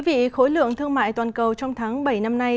thưa quý vị khối lượng thương mại toàn cầu trong tháng bảy năm nay